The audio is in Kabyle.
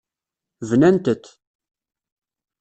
Bnant-t.